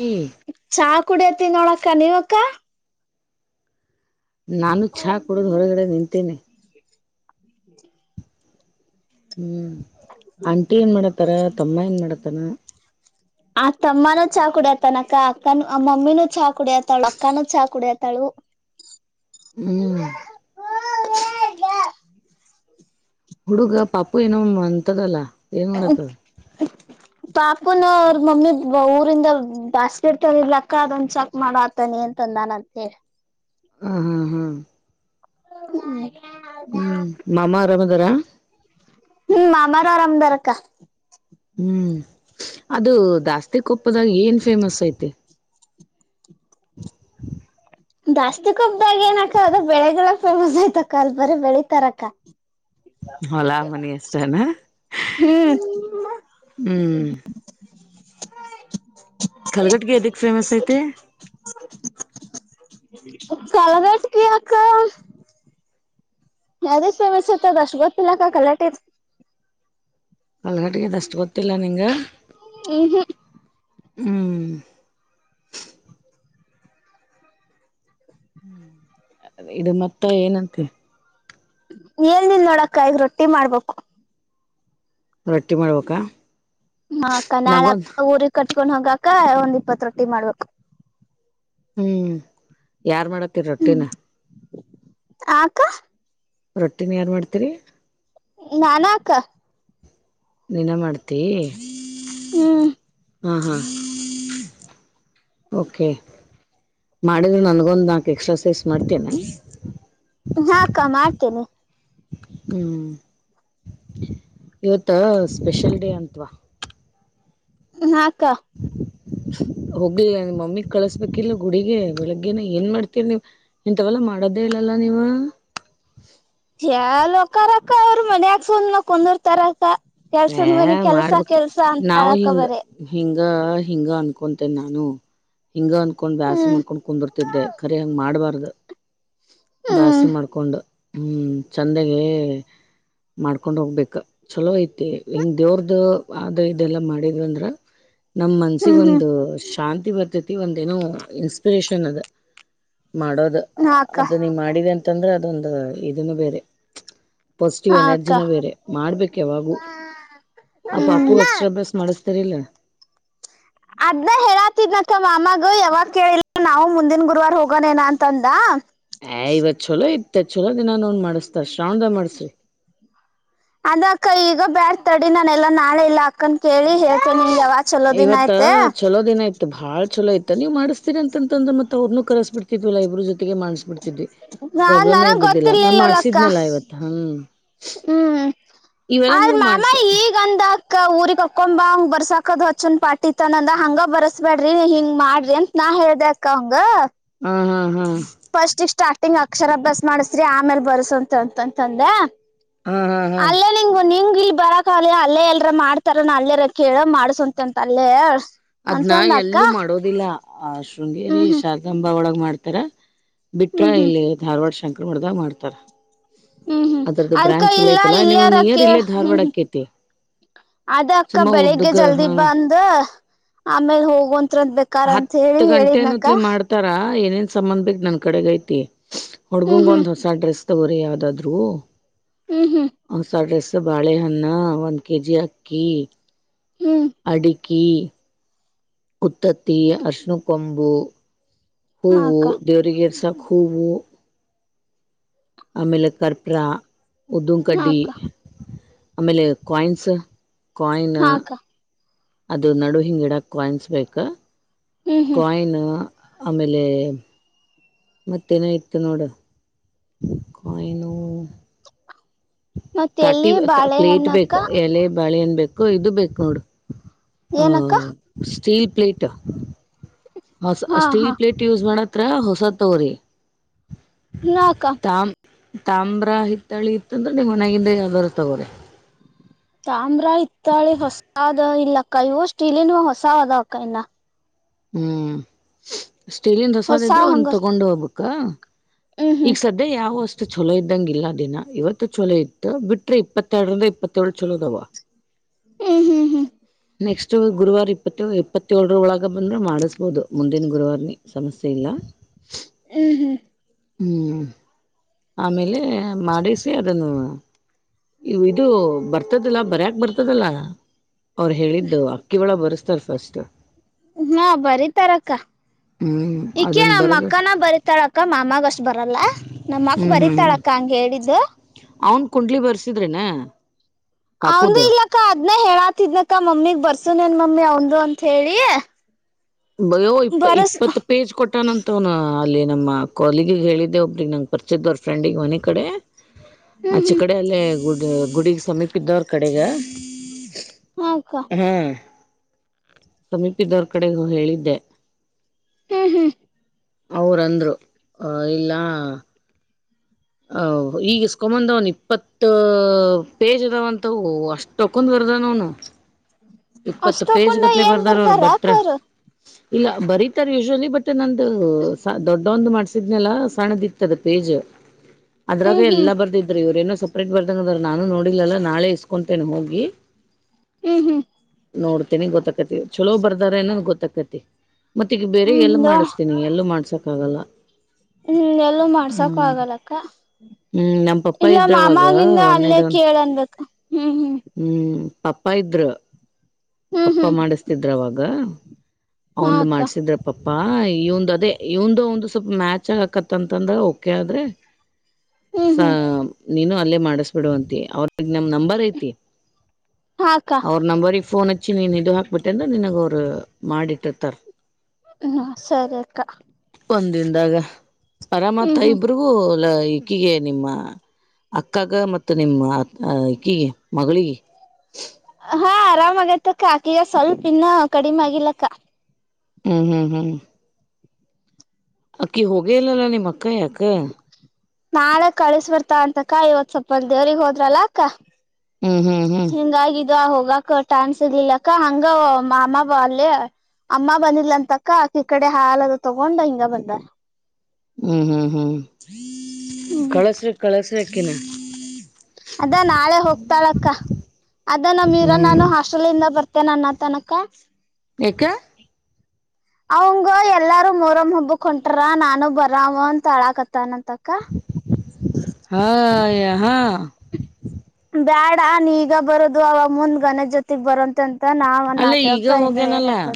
ಹ್ಮ ಕುಡಿಯಕ ಅತ್ತಿನಿ ನೋಡ ಅಕ್ಕಾ ನೀವ್ ಅಕ್ಕಾ ನಾನು ಚಾ ಕುಡುದು ಹೊರಗಡೆ ನಿಂತೆನೆ [inaudible] ಹ್ಮ್ ಆಂಟಿ ಏನ್ ಮಾಡಾತರ ತಮ್ಮ ಏನ್ ಮಾಡಾತರ ತನ್ ಆ ತಮ್ಮನೂ ಚಾ ಕುಡಿಯತಾನ ಅಕ್ಕ ಅಕ್ಕನು ಆ ಮಮ್ಮಿನೂ ಚಾ ಕುಡಿಯತಾಳು ಅಕ್ಕಾನೂ ಚಾ ಕುಡಿಯತಾಳು ಹ್ಮ್ ಹುಡುಗ ಪಾಪು ಏನೋ ಒಮ್ಮೆ ಅಂತದಲ್ಲ ಏನ್ ಮಾಡಕ ಅತ್ತರ ಪಾಪನು ಅವ್ರ ಮಮ್ಮಿ ಊರಿಂದ ಬಾಸ್ಕೆಟ್ ತಂದಿದ್ಲು ಅದೊಂದ ಚಕ್ ಮಾಡಕ ಹತಾನ ಏನ್ ತಂದಾನ್ ಅಂತೇಳ ಹ ಹಾ ಹಾ ಹ್ಮ ಹ್ಮ್ ಮಾಮ ಆರಾಮ ಅದಾರ ಹ್ಮ್ ಮಾಮರು ಆರಾಮ್ ಅದರ ಅಕ್ಕಾ ಹ್ಮ್ ಅದು ದಾಸ್ತಿಕೊಪ್ಪದಾಗ ಏನ್ ಫೇಮಸ್ ಐತೆ ದಾಸ್ತಿ ಕೊಪ್ಪದಾಗ್ ಏನಕ್ಕ ಅದ ಬೆಳೆಗಳ ಫೇಮಸ್ ಆಯ್ತಕ್ಕ ಅಲ್ ಬರಿ ಬೆಳಿತಾರಕ್ಕ. ಹೊಲಾ ಮನಿ ಅಷ್ಟ ಏನಾ ಹ್ಮ್ ಹೂ [unintelligible] ಕಲಘಟಗಿ ಏದಕ್ ಫೇಮಸ್ ಐತಿ ಕಲಘಟಗಿ ಯಾಕ ಎದಕ್ಕೆ ಫೇಮಸ್ ಐತಿ ಅದ ಅಷ್ಟ್ ಗೊತ್ತಿಲ್ಲ ಕಲಘಟಗಿ ದ ಕಲಘಟಗಿದ ಅಷ್ಟು ಗೊತ್ತಿಲ್ಲ ನಿಂಗ ಉಹು ಹೂ ಇದು ಮತ್ತ ಏನಂತಿ ಏನಿಲ್ಲ ನೋಡ ಅಕ್ಕಾ ಈಗ್ ರೊಟ್ಟಿ ಮಾಡ್ಬೇಕು ರೊಟ್ಟಿ ಮಾಡ್ಬೇಕಾ ಹಾ ಅಕ್ಕಾ ನಂಗೊಂದು ನಾಳಕ್ಕ ಊರಿ ಕಟ್ಟ [unintelligible] ಕಟ್ಕೊಂಡ್ ಹೋಗಾಕ ಒಂದ್ ಇಪ್ಪತ್ ರೊಟ್ಟಿ ಮಾಡ್ಬೇಕ ಹೂ ಯಾರ್ ಮಾಡಾತೀರ ರೊಟ್ಟಿನ ಅಕ್ಕಾ ರೊಟ್ಟಿನ ಯಾರ್ ಮಾಡ್ತೀರಿ ನಾನ ಅಕ್ಕಾ ನಿನ ಮಾಡ್ತಿ ಹೂ ಹಾ ಹಾ ಓಕೆ ಮಾಡಿದ್ರು ನನ್ಗೊಂದು ನಾಕ ಎಕ್ಸ್ಟ್ರಾ ಸೇರಿಸಿ ಮಾಡ್ತೀಯೇನ ಹಾ ಅಕ್ಕಾ ಮಾಡ್ತೇನೆ ಹೂ ಇವತ್ತು ಸ್ಪೆಷಲ್ ಡೇ ಅಂತವಾ ಹಾ ಅಕ್ಕಾ ಹೋಗ್ಲಿ ನಿಮ್ಮ ಮಮ್ಮಿಗ್ ಕಳಸ್ಬೇಕಿಲ್ಲ ಗುಡಿಗ ಬೆಳಗ್ಗೆನ ಏನ್ ಮಾಡ್ತೀರಿ ನೀವ ಇಥವಲ್ಲಾ ಮಾಡೋದೇ ಇಲ್ಲಲ್ಲ ನೀವ ಎಲ್ ಹಾಕರ್ ಅಕ್ಕಾ ಅವರು ಮನ್ಯಾಗ ಸುಮ್ಮ ಕುಂದರ್ತಾರಕ್ಕ ಏ ಮಾಡ್ಬೇಕ ನಾವು ಹೇಳಕ್ಕ ಹಿಂಗ ಬರೀ ಹಿಂಗ ಹಿಂಗ ಅನ್ ಕೊಂತೆನ ನಾನು ಹಿಂಗ ಅನ್ಕೊಂಡ್ ಬ್ಯಾಸ್ರ ಹ್ಮ್ ಮಾಡ್ಕೊಂಡ್ ಕುಂದೂರುತಿದೇ ಖರೆ ಹಂಗ ಮಾಡಬಾರ್ದು ಹ್ಮ್ ಬ್ಯಾಸರ ಮಾಡ್ಕೊಂಡು ಹೂ ಚಂದಾಗೆ ಮಾಡ್ಕೊಂಡ ಹೋಗ್ಬೇಕ ಚಲೋ ಇತ್ತ ಹಿಂಗ ದೇವ್ರದು ಆದ ಈದ್ ಇದೆಲ್ಲಾ ಮಾಡಿದ್ ಅಂದ್ರ ನಮ ಮನ್ಸಿಗ ಹ್ಮ್ ಹ್ಮ್ ಒಂದು ಶಾಂತ [unintelligible] ಬತಿ ಒಂದೇ ಏನೋ ಇನ್ಸ್ಪಿರೇಷನ್ ಅದ ಮಾಡೋದ ಹಾ ಅಕ್ಕ ಅದು ನೀ ಮಾಡಿದ ಅಂತ ಇತ ಅಂದ್ರ ಅದೊಂದು ಇದನ್ನು ಬೇರೆ ಪಾಸಿಟಿವ್ ಹಾ ಅಕ್ಕ ಎನರ್ಜಿನ ಬೇರೆ ಮಾಡ್ಬೇಕ ಯಾವಾಗೂ ಆ ಹ್ಮ್ ಪಾಪು ಅಕ್ಷರಾಭ್ಯಾಸ ಮಾಡಸ್ತಾರಿಲ್ಲ ಅದ್ನ ಹೇಳಾತಿದ್ನಕ್ಕ ಮಾಮಗ ಯಾವಾಗ ಕೇಳಿಲ್ಲ ನಾವು ಮುಂದಿನ ಗುರುವಾರ ಹೋಗೋನೇನ ಅಂತಂದ ಹಾ ಇವತ್ತ ಚಲೋ ಇತ್ತು ಮತ್ತೆ ಚಛಲೋ ದಿನ ನೋನ್ ಮಾಡಿಸತಾರ ಶ್ರಾವಣದ ಮಾಡಸ್ರಿ ಅದು ಅಕ್ಕ, ಈಗ ಬೇಡ ತಡಿ. ನಾನು ಎಲ್ಲಾ ನಾಳೆ ಇಲ್ಲ, ಅಕ್ಕನನ್ನು ಕೇಳಿ. ಹೇಳ್ತೀನಿ, ನಿಮಗೆ ಯಾವ ಚಲೋ ದಿನ ಇವತ್ತ ಆಯ್ತು? ಚಲೋ ದಿನ ಇತ್ತು ಬಾಳ್ ಚಲೋ ಆಯ್ತ್, ನೀವು ಮಾಡ್ತೀರಿ ಅಂತಂದ್ರ. ಮತ್ತ ಅವ್ರರನ್ನೂ ಕರೆಸ್ಬ ಬಿಡ್ತಿದ್ವಲ್ಲ ಇಬ್ರ ಜೊತೆ. ಒಟ್ಟಿಗೆ ಮಾಡ್ಸ್ಬಿಡ್ತೀವಿ, ನಾನ್ ಪ್ರಾಬ್ಲಮೇ ನನಗ್ ಇರೋದಿಲ್ಲ. ನಾನು ಗೊತ್ತಿರ್ಲಿಲ್ಲಲ್ಲ ಅಕ್ಕ ಮಾಡ್ಸಿದ್ದೆನಲ್ಲ ಇವತ್ತು. ಹ್ಮ್ ಹ್ಮ್ ಇವೆಲ್ಲಾ ಆದ್ರಾ ನೀವು ಮಾಮ ಮಾಡ್ಸ ಈಗಂದ ಅಕ್ಕ ಊರಿಗ್ ಹಕೊಂಬ ಹಂಗ್ ಬರ್ಸಾಕದ ಅಚ್ಚನ್ ಪಾಟಿತನಂದ ಹಂಗ ಬರಸ್ಬ್ಯಾಡ್ರಿ ಹಿಂಗ ಮಾಡ್ರಿ ಅಂತ ನಾ ಹೇಳ್ದ ಅಕ್ಕ ಹಂಗ ಹಾ ಹಾ ಹಾ ಫಸ್ಟ್ ಸ್ಟಾರ್ಟ್ ಟಿಂಗ್ ಅಕ್ಷರ ಅಭ್ಯಾಸ ಮಾಡಿಸ್ರಿ ಆಮೇಲ್ ಬರ್ಸ್ರಿ ಅಂತ ಅಂತಂತಂದೆ ಹಾ ಹಾ ಹಾ ಅಲ್ಲೇ ಲಿಂಗು ನಿಂಗ್ ಇಲ್ ಬರಕಾಗ್ಲಿಲ್ಲ ಅಲ್ಲೆ ಎಲ್ರ ಮಾಡ್ತಾರೇನೋ ಅಲ್ಲೆ ಇರಕ್ಕೇಳ್ ಮಾಡ್ಸ್ವಂತೆ ಅಂತ ಅಲ್ಲೇ ಅದ್ನ ಅಂತಂದ ಅಕ್ಕ ಎಲ್ಲೂ ಮಾಡೋದಿಲ್ಲ ಆ ಶೃಂಗೇರಿ ಹ್ಮ್ ಹ್ಮ್ ಶಾರದಾಂಬಾ ಒಳಗ ಮಾಡ್ ತರ ಬಿಟ್ರೆ ಹ್ಮ್ ಹ್ಮ್ ಇಲ್ಲಿ ಧಾರವಾಡ ಶಂಕ ದೊಡ್ದಾಗ್ ಮಾಡ್ತಾರೆ ಹ್ಮ್ ಹ್ಮ್ ಅದ್ಕ ಇಲ್ಲ ಇಲ್ಲೆ ನಿಮಗ್ ಇರಕ್ ನಿಯರ್ ಕೇಳ್ ಇಲ್ಲೇ ಹ್ಮ್ ಧಾರವಾಡ ಹ್ಮ್ ಆಕೇತಿ ಅದ ಅಕ್ಕ ಸುಮ್ಮ ಬೆಳಿಗ್ಗೆ ಉದ್ದಗ ಜಲ್ದಿ ಹಾ ಬಂದ ಆಮೇಲೆ ಹೋಗುವಂತ್ ತ್ರಂದ ಬೇಕಾರ ಅಂತ ಹೇಳಿ ಹತ್ತು ಹೇಳಿದ್ನಕ್ಕ ಗಂಟೆನತ್ಲೆ ಮಾಡ್ತಾರ ಏನೇನ್ ಸಂಬಂದ್ ಬೇಕ್ ನನ್ ಕಡೆಗ ಐತಿ ಹ್ಮ್ ಹುಡ್ಗುಂಗ ಒಂದು ಹೊಸ ಡ್ರೆಸ್ ತಗೊರಿ ಯಾವದಾದ್ರು ಹ್ಮ್ ಹ್ಮ್ ಹ್ಮ್ ಹೊಸ ಡ್ರೆಸ್ ಮತ್ತ ಬಾಳೆಹನ್ನ ಒಂದ್ ಕೆಜಿ ಅಕ್ಕಿ ಹ್ಮ್ ಅಡಿ ಕಿ ಕುತ್ತತ್ತಿ ಆರ್ಷ್ನು ಕೊಂಬು ಹಾ ಹೂವು ಅಕ್ಕ ದೇವ್ರಿಗೆರ್ ಸಾಕ್ ಹೂವು ಆಮೇಲೆ ಕರ್ಪ್ರಾ ಉದ್ದುನ್ ಹಾ ಕಡ್ಡಿ ಅಕ್ಕ ಆಮೇಲೆ ಕಾಯಿನ್ಸ್ ಕಾಯಿನ್ ಹಾ ಅಕ್ಕ ಅದು ನಡು ಹಿಂಗಿಡಕ್ ಕಾಯಿನ್ಸ್ ಬೇಕ ಹ್ಮ್ ಹ್ಮ್ ಕಾಯಿನ್ ಆಮೇಲೆ ಮತ್ತೇನೋ ಇತ್ತು ನೋಡು ಕಾಯಿನೂ ಮತ್ತ ತಟ್ಟಿ ಎಲ್ಲಿ ಪ್ಲೇಟ್ ಬಾಳೆಹಣ್ಣಕ್ಕ ಬೇಕ ಎಲೆ ಬಾಳೆಹಣ್ ಬೇಕು ಇದು ಬೇಕು ನೋಡು ಹಾ ಏನಕ್ಕ ಸ್ಟೀಲ್ ಪ್ಲೇಟ್ ಹಾ ಸ್ಟೀಲ್ ಪ್ಲೇಟ್ ಯೂಸ್ ಮಾಡತ್ ಹತ್ರ ಹೊಸ ತೋರಿ ನಕ [inaudible] ತಾಮ್ರ ಹಿತ್ತಳಿ ಇತ್ತಂದ್ರ ನೀ ಮನೆಗಿದ್ದ ಯಾವದಾದ್ರು ತಗೋರೆ ತಾಮ್ರ ಇತ್ತಾಳೆ ಹೊಸಾದ ಇಲ್ಲಕ್ಕಾ ಇವು ಸ್ಟೀಲಿನವು ಹೊಸ ಅದವಕ್ಕಾಯನ ಹ್ಮ್ ಸ್ಟೀಲನ್ ಹೂಸಾದ ಹೊಸ ಇದಿದ್ರ ಒಂದ ಹಂಗ ತೊಗೊಂಡ ಹೋಗುಬೇಕ ಕ್ಕಾ ಹ್ಮ್ ಈಗ ಹ್ಮ್ ಸದ್ಯ ಯಾವೋ ಅಷ್ಟು ಚಲೋ ಇದ್ದ ಇದ್ದಂಗ ಇಲ್ಲ ದಿನ ಇವತ್ತು ಚಲೋ ಇತ್ತು ಬಿಟ್ರೆ ಇಪ್ಪತ್ತೆರಂದ ಇಪ್ಪತ್ತಏಳ ಚಲೋದವ ಹ್ಮ್ ಹ್ಮ್ ಹ್ಮ್ ನೆಕ್ಸ್ಟ್ ಗುರುವಾರ ಇಪ್ಪತ್ತು ಇಪ್ಪತ್ತೇಳರ ಒಳಗೆ ಆಗ ಬಂದ್ರೆ ಮಾಡಿಸ್ಬೋದು ಮುಂದಿನ ಗುರುವಾರನ ಸಮಸ್ಯೆ ಇಲ್ಲ ಹ್ಮ್ ಹ್ಮ್ ಹ್ಮ್ ಆಮೇಲೆ ಮಾಡಿಸಿ ಅದನ್ನು ಇದು ಬರ್ತ ಬರ್ತದಿಲ್ಲ ಬರ್ಯಕ್ ಬರ್ತದಲ್ಲ ಅವ್ರು ಹೇಳಿದ್ದು ಅಕ್ಕಿ ಒಳ ಬರ್ಸ್ತಾರ ಫಸ್ಟ್ ಹ ಬರಿತಾರಕ್ಕ ಹ್ಮ್ ಇಕಿ ಅದನ್ ನಮ್ಮ್ ಬರದ ಅಕ್ಕನ ಬರಿತಾಳಕ್ಕ ಮಾಮಾಗಷ್ಟ ಬರಲ್ಲ ನಮ್ಮ ಅಕ್ಕ ಹ್ಮ್ ಹ್ಮ್ ಬರತಾಳಕ್ಕ ಹಂಗ ಹೇಳಿದ್ದು ಕುಡ್ಲಿ ಬರ್ಸಿದ್ರೇನಾ ಅವಂದು ಇಲ್ಲ ಅಕ ಅದ್ನ ಹೇಳಾತಿದ್ನಕ್ಕ ಮಮ್ಮಿಗ್ ಬರ್ಸುನ್ ಏನ್ ಮಮ್ಮಿ ಅವ್ಂದು ಅಂತ ಹೇಳಿ ಬಯ್ಯೋ ಇಪ್ಪ ಬರಸ್ ಇಪ್ಪತ್ತು ಪೇಜ್ ಕೊಟ್ಟಾನಂತ ನು ಅಲ್ಲಿ ನಮ್ಮ ಕೋಲ್ಲಿಗಿಗೆ ಹೇಳಿದ್ದೆ ಒಬ್ರಿಗೆ ನಂಗೆ ಪರ್ಚಿದ್ದವ್ರ ಫ್ರೆಂಡಿಗೆ ಮನೆ ಕಡೆ ಹ್ಮ್ ಆಚ್ಚೆ ಹ್ಮ್ ಕಡೆ ಅಲ್ಲೇ ಗುಡ್ ಇ ಗುಡಿಗೆ ಸಮೀಪ ಇದ್ದ ಅವ್ರ ಕಡೆಗೆ ಹಾಕ್ಕ ಹ್ಮ್ ಸಮೀಪ ಇದ್ದವರ್ ಕಡೆ ನೀ ಹೇಳಿದ್ದೆ ಹ್ಮ್ ಹ್ಮ್ ಅವ್ರಂದ್ರು ಆ ಇಲ್ಲ ಹ ಈಗ ಇಸ್ಕೊಮಂದವನ್ ಇಪ್ಪತ್ತು ಪೇಜದವಂತವು ಅಷ್ಟ ತೊಕನ್ ಬರದನೂನು ಅಷ್ಟ ತಕೊಂಡ ಏನ್ ಬರ್ದಾರ ಅಕ್ಕರು ಇಲ್ಲ ಬರೀತಾರ ಯೂಶಲಿ ಬಟ್ ನಂದ ದೊಡ್ಡೊಂದು ಮಾಡ್ಸಿದ್ನಲ್ಲ ಸಣ್ಣದ ಇತ್ತದ ಪೇಜ್ ಅದ್ರಾಗ ಹ್ಮ್ ಹ್ಮ್ ಎಲ್ಲ ಬರ್ದಿದ್ರರು ಇವ್ರೇನ ಸಪ್ರೇಟ್ ಬರ್ದಂಗ ಅದಾರ ನಾನು ನೋಡಿಲ್ಲಲ್ಲಾ ನಾಳೆ ಇಸ್ಕೊತೇನೆ ಹೋಗಿ ಹ್ಮ್ ಹ್ಮ್ ನೋಡ್ತೇನಿ ಗೊತ್ತಕತಿವಿ ಚಲೋ ಬರ್ದಾರಏನನ್ ಗೊತ್ತಕತಿ ಮತ್ತ ಈಗ ಬೇರೆ ಹ್ಮ್ ಎಲ್ಲ ಹ್ಮ್ ಮಾಡಿಸ್ತೀನಿ ಎಲ್ಲೂ ಮಾಡ್ಸ ಕಾಗಲ ಹ್ಮ್ ಎಲ್ಲೂ ಮಾಡ್ಸಕ ಆಗಲ್ಲಕ್ಕ ಹ್ಮ್ ನಮ್ ಪಪ್ಪ ಇಲ್ಲ ಇದ್ರವಾಗ ಮಾಮಗಂದ ಅಲ್ಲಯ ಒಂದೇದವನ್ ಕೇಳನ್ಬೇಕ ಹ್ಮ್ ಪಪ್ಪಾ ಇದ್ರ ಹ್ಮ್ ಪಪ್ಪಾ ಹ್ಮ್ ಮಾಡಿಸ್ತಿದ್ರ ಅವಾಗ ಹಾ ಅವಂದು ಅಕ್ಕ ಮಾಡ್ಸಿದ್ರಪ್ಪಪ್ಪ ಪ್ಪಾ ಇವಂದ ಅದೇ ಇವಂದ ಒಂದು ಸ್ವಲ್ಪ ಮ್ಯಾಚ್ ಹಾಕತ್ತಂತಂದ್ರ ಓಕೆ ಆದ್ರೆ ಹ್ಮ್ ಸ ಹ್ಮ್ ನೀನು ಅಲ್ಲೇ ಮಾಡಿಸ್ಬ ಬಿಡುವಂತಿ ಅವ್ರ ನ ನಂಬರ್ ಐತಿ ಹಾ ಅಕ್ಕ ಅವರ ನಂಬರ್ ಇ ಪೋನ ಚ್ಚಿ ನೀನ್ ಇದು ಹಾಕ್ಬಿಟ್ಟೆ ಅ್ರ ನಿನಗ ಅವ್ರು ಮಾಡಿಟ್ಟಿರ್ತಾರ ಹ್ಮ ಸರಿ ಅಕ್ಕಾ ಒಂದಿನದಾಗ ಪರಮತ ಇಬ್ರಗೂ ಎಲ್ಲ ಈಕಿಗೆ ನಿಮ್ಮ ಅಕ್ಕಗ ಮತ್ತ ನಿಮ್ಮ ಈಕೀಗೆ ಮಗಳಿಗೆ ಹಾ ಆರಾಮಾಗೈತಕ್ಕ ಆಕಗ ಸ್ವಲ್ಪ ಇನ್ನು ಕಡಿಮೆ ಆಗಿಲ್ಲಕ್ಕ ಹ್ಮ್ ಹ್ಮ್ ಹ್ಮ್ ಅಕ್ಕಿ ಹೋಗೆಲ್ಲಲ್ಲ ನಿಮ್ಮ್ ಅಕ್ಕ ಯಾಕ ನಾಳ ಕಳಿಸ ಬರ್ತಾ ಅಂತಕ್ಕ ಇವತ್ ಸ್ವಲ್ಪ ಅ ದೇವ್ರಗ್ ಹೋದ್ರಲ್ಲಾ ಅಕ್ಕ ಹ್ಮ್ ಹ್ಮ್ ಹ್ಮ್ ಈಗ ಹೋಗಕ ಟೈಮ್ ಸಿಗ್ಲಿಲ್ಲ ಅಕ್ಕ ಹಂಗ ಅಮ್ಮ ಅಲ್ಲೇ ಅಮ್ಮ ಬಂದಿಲ್ಲ ಅಂತಕ್ಕ ಅಕ್ಕ ಈ ಕಡೆ ಹಾಾಲ ಅದು ತಗೊಂಡ್ ಹಿಂಗ ಬಂದಾರ ಹ್ಮ್ ಹ್ಮ್ ಹ್ಮ್ ಹ್ಮ್ ಕಳಸ್ರ ಕಳಸ ಇದಕನಾ [inaudible] ಅದ ನಾಳೆ ಹೋಗ್ತಾಳಕ್ಕ ಅದ ನಮೀರ ಹ್ಮ್ ನಾನು ಹಾಸ್ಟೆಲಿಂದದ ಬರ್ತ ತೆ ನನ್ನ ತನಕ್ಕ ಯಕ್ಕ ಅವಂಗ ಎಲ್ಲಾರೂ ಮೂರಮ್ಮ ಹಬ್ಬಕ್ ಹೊಂಟ್ರ ನಾನು ಬರವ ಅಂತಾಳಕತ್ತನಂತ ತಕ ಹಹ ಬ್ಯಾಡ ಆ ನೀ ಈಗ ಬರೋದು ಅವಾಗ ಮುಂದ್ ಗನಜ ಜೊತೆಗ್ ಬರಂತ ಮ ನಾವುನ್ ಅಲ್ಲ ಈಗ ತವಕ್ಕ ಇ ಹೋಗ್ಯನಲ್ಲ ಏನ್ಬೋ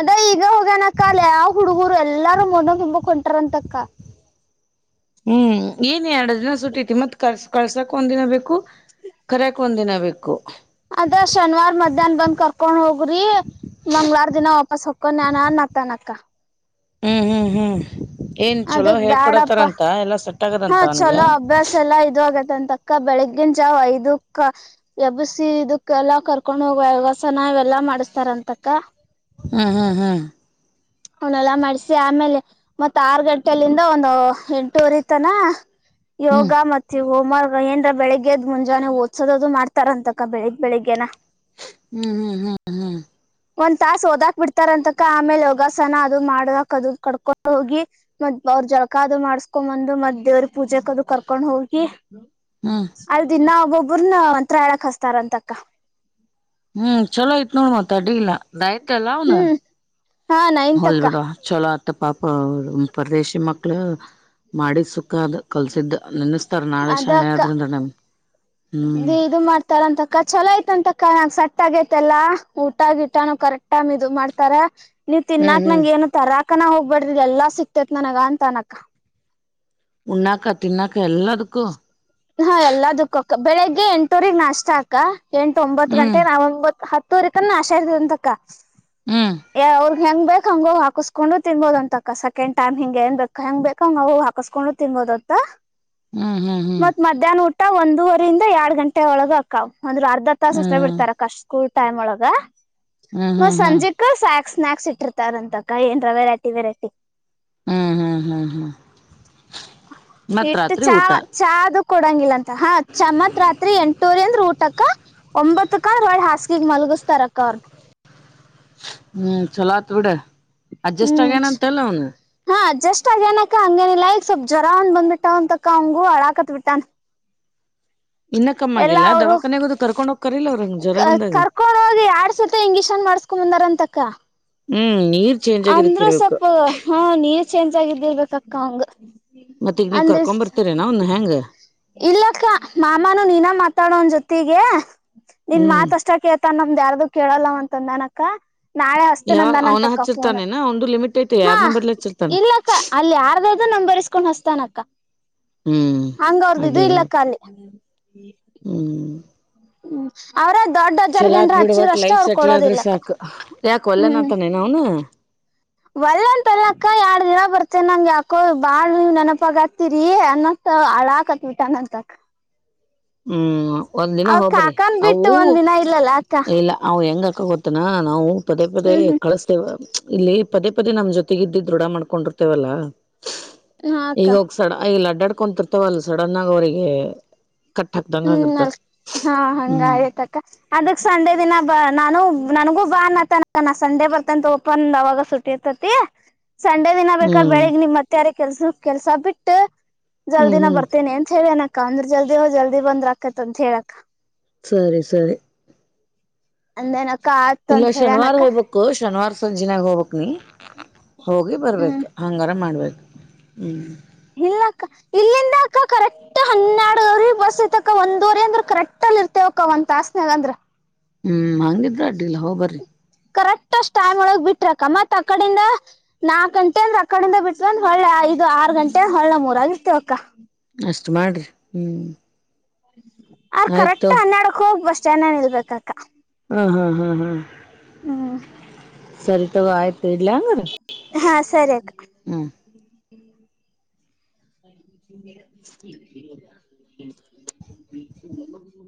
ಅದ ಈಗ ಹೋಗ್ಯನಕ್ಕ ಅಲ್ಲ ಯಾವ ಹುಡುಗರು ಎಲ್ಲಾರೂ ಮ ತುಂಬಕ್ ಹೊಂಟಾರಂತಕ್ಕ ಹ್ಮ್ ಏನ್ ಎರಡು ದಿನ ಸುಟ್ಟೈತಿ ಮತ್ ಕಸ ಕಳ್ಸಾಕ್ ಒಂದ್ನ ಬೇಕು ಕರ್ಯಕ್ ಒಂದ್ ದಿನ ಬೇಕು ಅದ್ರ ಶನಿವಾರ್ ಮಧ್ಯಾಹ್ನ ಬಂದ್ ಕರ್ಕೊಂಡ್ ಹೋಗ್ರಿ ಮಂಗ್ವಾರ ದಿನ ವಾಪಸ್ ಹಕೊಂಡಾನ ನತನಕ್ಕ ಹ್ಮ್ ಹ್ಮ್ ಹ್ಮ್ ಏನ್ ಚಲೋ ಅದಕ್ ಹೇಳ್ಕೊಡತಾರ ಬ್ಯಾಡಪ್ಪಾ ಅಂತ ಎಲ್ಲಾ ಸ ಹಾ ಚಲೋ ಅಭ್ಯಾಸ ಎಲ್ಲಾ ಇದು ಆತ್ ಅಂತಕ ಬೆಳಗ್ಗಿನ್ ಜಾವ್ ಐದಕ್ ಎಬ್ಬಸಿ ಇದಕ್ಕೆ ಎಲ್ಲ ಕರ್ಕೊಂಡು ಹೋಗ ಯವಾಸನ ಇಲ್ಲಾ ಮಾಡಸ್ತಾರಂತಕ ಹ್ಮ ಹ್ಮ್ ಹ್ಮ್ ಅವನಲ್ಲ ಮಾಡಸಿ ಆಮೇಲೆ ಮತ್ತತ್ ಆರು ಗಂಟೆ ಇಂದ ಒಂದು ಎಂಟೂುವರಿತನ ಯೋಗ ಹ್ಮ್ ಮತ್ತು ಹೋಮ್ರ್ಕ್ ಏಂದ್ರ ಬೆಳಗ್ಗೆದ್ ಮುಂಜಾನೆ ಹೋದ್ಸೋದು ಮಾಡ್ತಾರ ಅಂತಕ ಬೆಳಿಗ್ ಬೆಳಿಗ್ಗೆನ ಹ್ಮ್ ಹ್ಮ್ ಹ್ಮ್ ಹ್ಮ್ ಒಂದ್ ತಾಸ ಓದಾಕ್ ಬಿಡ್ತಾರ ಅಂತಕ ಆಮೇಲೆ ಹೋಗ ಸನ ಅದು ಮಾಡಕ್ ಅದು ಕರ್ಕೊಂಡ್ ಹೋಗಿ ಮ ಅವ್ರ ಜಳಕ ಅದು ಮಾಡ್ಸ್ಕೊಂಡ್ ಬಂದು ಮದ್ ದೇವ್ರ ಪೂಜೆಕ್ ಅದು ಕರ್ಕೊಂಡ್ ಹೋಗಿ ಹ್ಮ್ ಅಲ್ಲಿ ದಿನ ಒಬ್ಬ್ರನಂತತ್ರಳಕ್ ಹಸ್ತಾರ ಅಂತಕ್ಕ ಹ್ಮ್ ಚಲೋ ಆಯ್ತ್ ನೋಡ್ ಮತ್ ಅಡ್ಡಿ ಇಲ್ಲಾ ದಲ್ಲಾವನು ಹ್ಮ್ ಹಾ ಹೊಲ್ ನೈನ್ತಕ್ಕ ಬಿಟುವ ಚಲೋ [inaudible] ತ್ತ ಪಾಪ ಅವ ಪರದೇಶಿ ಮಕ್ಕಳ ಮಾಡಿದ ಸುಖ ಅದ ಕಲ್ಸಿದ್ದ ನನ್ನ ಅದಕ್ಕ ಹ್ಮ್ ಇದು ಮಾಡ್ತಾರ ಅಂತಕ್ಕ ಚಲೋ ಯತ ಅಂತಕ್ಕ ನಂ ಸ ತ್ತಗೇತೆಲ್ಲಾ ಊಟಗಿಟಾನ ಕರೆಕ್ಟ್ ಟೈಮ್ ಇದು ಮಾಡ್ತಾರ ನೀವು ಹ್ಮ್ ತಿನ್ನಾಕ್ ಹ್ಮ್ ನಂಗ ಏನು ತರಾಕ್ ಅಕ್ಕನ ಹೋಗ್ಬಡ್ದಿದ ಎಲ್ಲಾ ಸಿಕ್ತೇತ್ ನನಗ ಅಂತ ನಕ್ಕ ಉಣ್ಣಕ ತಿನ್ನಾಕಾ ಎಲ್ಲಾದಕ್ಕ ಹಾ ಎಲ್ಲ ಕ್ಕಕ ಬೆಳಿಗ್ಗೆ ಎಂಟೂರಿ ನಾಷ್ಟಾಕ ಎಂಟು ಒಂಬತ್ತು ಗಂಟೆ ಹ್ಮ್ ನಾವೊಂಬತ್ ಹತ್ ತೋರಿಕನ್ನ ಆಶಾಡದೆಂತಕ್ಕ ಹ್ಮ್ ಯ ಅವ್ರ ಹೆಂಗ್ ಬೆ ಹಂಗ ಹಾಕಸ್ಕೊಂಡು ತಿನ್ಬಹುದ ಅಂತಕ್ಕ ಸೆಕಂಡ್ ಟೈಮ್ ಹಿಂಗ ಏನ್ರ ಹೆಂಗ್ ಬೇಕ್ ಹಂಗ ಹಾಕಸ್ಗೊಂಡು ತಿನ್ಬೋದಂತ. ಹ್ಮ್ ಹ್ಮ್ ಹ್ಮ್ ಮತ್ ಮಧ್ಯಾಹ್ನ ಊಟ್ ಒಂದೂವರಿಂದ ಎರಡ್ ಗಂಟೆ ಒಳಗ ಅಕ್ಕಾವ್. ಅಂದ್ರ ಅರ್ಧ ತಾಸ ಅಷ್ಟ ಹ್ಮ್ ಬಿಡ್ತಾರೆ ಅಕ್ಕಾ ಸ್ಕೂ ಟೈಮೊಳಗ ಹ್ಮ್ ಹ್ಮ್ ಮ ಹ್ಮ್ ಸಂಜಿಕ ಸ್ಯಾಕ್ಸ್ ಸ್ನಾಕ್ಸ್ ಇಟ್ಟಿರ್ತಾರಂತಕ್ಕಾ ಏನರ ವೆರೈಟಿ ವೆರೈಟಿ. ಹ್ಮ್ ಹ್ಮ್ ಹ್ಮ್ ಹ್ಮ್ ಮತ್ತ್ ಇಟ್ಟು ರಾತ್ರಿ ಚಾ ಊಟ [unintelligible] ಕೊಡಂಗಿಲ್ಲ ಅಂತ್ ಹಾ ಚಮತ್ [unintelligible] ರಾತ್ರಿ ಎಂಟೂವರೀ ಅಂದ್ರ ಊಟ ಆಗ್ ಕ ಒಂಬತ್ತಕಂದ್ರ [unintelligible] ಹೊಳ್ಳಿ ಹಾಸಗಿಗೆ ಮಲಗಸ್ ಹ್ಮ್ ಚುಲೋ ಆತ್ ತ ಬಿಡ್ [unintelligible] ಅಡ್ಜಸ್ಟ್ ಹ್ಮ್ ಆಗ್ಯನ ಅಂತಲ್ಲ ಅವನು ಹಾ ಜಸ್ಟ್ ಅಗ ಏನಕ ಹಂಗೇನಿಲ್ಲಾ ಈಗ ಸ್ವಲ್ಪ್ ಜ್ವರ ಒಂದ ಬಂದ್ಬಿಟ್ಟಾವಂತಕ್ಕಾ ಅವಂಗು ಅಳಾಕತ್ ಬಿಟ್ಟಾನ ಇನ್ನ ಕಮ್ಮ ಎಲ್ಲಾ ಆಗಿಲ್ಲ ಅವರು ದವಾಖಾನ್ಯಾಗದು ಕರ್ಕೊಂಡ್ ಹೋಕ್ಕಾರಿಲ್ಲವ್ರ [unintelligible] ಹಿಂಗ ಜ್ವರ ಬಂದಾಗ ನ್ ಮಾಡಸ್ಕೊಂಡು ಬಂದಾರ ಅಂತಕ್ಕ ಹ್ಮ್ ನೀರ್ ಚೇಂಜ್ ಆಗಿದಕ್ ಅಂದ್ರ ಇರ್ಬೇಕು ಸ್ವಲ್ಪ ಹಾ ನೀರ್ ಚೇಂಜ್ ಆಗಿದ್ದಿರ್ಬೇಕಕ್ಕ ಅಂಗ ಮತ್ತ ಈಗ ನೀವ್ ಅಂದ್ರ ಕರ್ಕೊಂಡ್ ಬರ್ತರೇನ ಅವ್ನ್ ಹೆಂಗ ಇಲ್ಲಕ್ಕ ಮಾಮಾನೂ [unintelligible] ನೀನ ಮಾ ತಾಡ [unintelligible] ಅವನ್ ಜೊತಿಗೆ ನಿನ್ ಹ್ಮ್ ಮಾತ್ ಅಷ್ಟಾ ಕೇಳ್ತಾನ ನಿಮ್ದ್ [unintelligible] ಯಾರ್ದು ಕೇಳಲ್ಲ ಅಂತ್ ಅಂದಾನ ಅಕ್ಕ ನಾಳೆ ಹಸ್ತನಂದನಂತ [unintelligible] ಹಚ್ಚಿತಾನೇನ [unintelligible] ಒಂದು ಲಿಮಿಟ್ ಐತಿ ಹಾ ಯಾರ್ ನಂಬರ್ಲಿ ಹಚ್ಚಿರ್ತಾನ ಇಲ್ಲಕ್ಕ ಅಲ್ಲಿ ಯಾರ್ದಾದ್ರೂ ನಂಬರಿ ಇಸ್ಗೊಂಡ ಹಚ್ತಾನಕ್ಕ ಹ್ಮ್ ಹಂಗ ಅವ್ರ್ದ ಇದು ಅಡ್ಡಿಲ್ಲ ಬಿಡು. ಇಲ್ಲಕ್ಕಾ ಅಲ್ಲೀ ಹ್ಮ ಹ್ಮ್ ಅವರ [unintelligible] ದೊಡ್ [unintelligible] ಚಲೋ ಜರಗನ ಆತ್ ಹಚ್ಚಿದ್ರಷ್ಟೇ ಅವ್ರು ಕೊಡೋದ ಇಲ್ಲಕ್ಕ ಯಾಕ್ ಒಲ್ಲೆನತಾನೆ [unintelligible] ನ ಅವನು ವಲ್ಲಂಪಲ್ಲ ಅಕ್ಕ ಎರಡ್ ದಿನ [unintelligible] ಬರ್ತೆ ನಂಗೆ ಅಕ್ಕೋ ಬಾಳ ನೀವ್ ನೆನಪಾಗ ಹತಿರಿ ಅನ್ನಂತ ಹಳಾಕತ್ ಬಿಟ್ಟ ಅನಂತ ಅಕ್ಕ ಹ್ಮ್ ಒಂದ್ ದಿನ ಅವ್ರ ಹೋಗ್ಬರಿ ಕಾಕನ್ ಅವು ಬಿಟ್ಟು ಒಂದ್ ದಿನ ಇಲ್ಲಲ್ಲ ಅಕ್ಕ [unintelligible] ಗೊತ್ತನಾ ನಾವು ಪದೇ ಪದೇ ಹ್ಮ್ ಕಳಸ್ತೇವ ಇಲ್ಲಿ ಪದೇ ಪದೇ ನಮ್ ಜೊತ್ ತೆಗಿದ್ದ [unintelligible] ದೃಢ ಮಾಡ್ಕೊಂಡಿರ್ತೇವಲ್ಲಾ ಹ್ಮ್ ಹಾ ಅಕ್ಕ ಈಗ ಹೋಗ್ಸಡ ಈ [unintelligible] [unintelligible] ಡಾಡ್ಕೊಂತರ್ತವಲ್ ಸಡನ್ ಆಗ ಅವರಿಗೆ ಹ್ಮ್ ಅ ಹಾ ಹಂಗ ಹ್ಮ್ ಆಯತಕ್ಕ ಅದಕ್ ಸಂಡೆ ದಿನ ಬ ನಾನು ನನಗೂ ಬಾ ಅನ್ತನ ನ ಸಂಡೆ ಬರ್ತಂತ ಓಪನ್ ಅವಾಗ ಸುಟ್ಟಿ ಇರ್ತತಿ ಸಂಡೆ ದಿನ ಬೇಕಾದ ಹ್ಮ್ ಬೆಳಿಗ್ ನಿಮ್ ಮತ್ತೆಾರ ಕೆಲ್ಸ ಕೆಲ್ಸ ಬಿಟ್ಟ ಹ್ಮ್ ಜಲ್ದಿನ ಹ್ಮ್ ಬರ್ತೇನೆ ಅಂತ ಹೇಳಿ ಅನ ಕಾಂದ್ರ ಚಲ್ದ ಹ ಜಲ್ ಅ ಬಂದ್ರ್ ಆಕತಂತತ್ ಹೇಳಕ್ ಸರಿ ಸರಿ ಅಂದೇನ ಇಲ್ಲ ಶನಿವಾರ ಹೋಗ್ಬೇಕು ಶನಿವಾರ ಜಿನಾಗ ಹೋಗಬೇಕು ನೀ ಹೋಗಿ ಹ್ಮ್ ಬರ್ಬೇಕು ಹಂಗಾರ ಮಾಡ್ಬೇಕು ಹ್ಮ್ ಇಲ್ಲ ಅಕ್ಕ ಇಲ್ಲಿಂದ ಅಕ್ಕ ಕರೆಕ್ ಹನ್ನೆರಡು ಬ ತಕ ಒಂದೂಊರಿ ಅಂದ್ರೆ ಕರೆಕ್ಟ್ ಅಲ್ಲಿ ಇರ್ತೆೇವಕ್ಕ ಒಂದ ತಾಸ್ನೆಾಗ ಅಂದ್ರೆ ಹ್ಮ್ ಹಂಗಿದ್ರ ಅಡ್ಡಿಲ್ಲ ಹೋಗ್ ಬರ್ರಿ ಕರೆಕ್ಟ್ ಅಷ್ಟ್ ಟೈಮ್ ಒಳಗ್ ಬಿಟ್ರಕ್ಕ ಮತ್ ಅಕಡಿಂದ ನಾಕ್ ಗಂಟೆ ಅಂದ್ರೆ ಅಕಡಿಂದ ಬಿಟ್ಟಂದ್ರ ಹೊಳ್ಳೆ ಐದು ಆರು ಗಂಟೆ ಅಂದ್ರ ಹೊಳ್ಳೆ ಮೂರ ಆಗಿರ್ತವಕ್ಕ ಅಷ್ಟು ಮಾಡರಿ ಹ್ಞೂ ಅವರ್ ಕರೆಕ್ಟ್ ಹನ್ನಡಕ್ ಹೋಗ್ ಬಸ್ನ್ನನ್ ನಿಲ್ಬೇಕಕ್ಕ ಹ್ಮ್ ಹ್ಮ್ ಹ ಸರಿತ ಆಾಜತಲ್ಲಾಂಗ ಹಾ ಸರಿ [inaudible]